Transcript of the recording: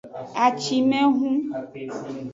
Acimevhun.